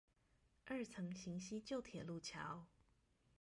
二層行溪舊鐵路橋